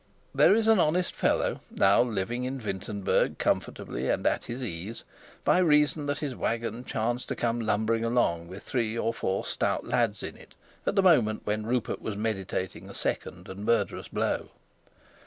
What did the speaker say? There is an honest fellow now living in Wintenberg comfortably and at his ease by reason that his wagon chanced to come lumbering along with three or four stout lads in it at the moment when Rupert was meditating a second and murderous blow.